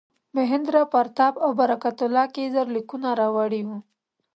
مهیندراپراتاپ او برکت الله د کیزر لیکونه راوړي وو.